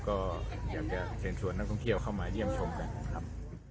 ก็อยากจะเชิญชวนนักท่องเที่ยวเข้ามาเยี่ยมชมกันนะครับ